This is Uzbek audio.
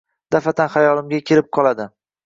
Daf’atan xayolimga kelib qoladi.